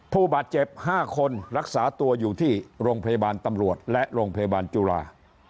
ผู้บาดเจ็บ๕คนรักษาตัวอยู่ที่โรงพยาบาลตำรวจและโรงพยาบาลจุฬา